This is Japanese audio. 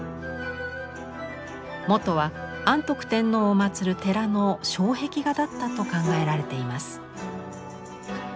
元は安徳天皇を祭る寺の障壁画だったと考えられています。